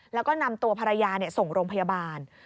แล้วก็นำตัวภรรยาส่งโรงพยาบาล